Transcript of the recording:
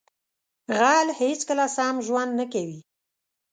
غل هیڅکله سم ژوند نه کوي